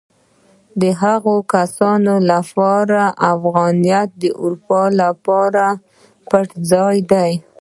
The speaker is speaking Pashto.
د هغو کسانو لپاره افغانیت د اروپا لپاره پټنځای دی.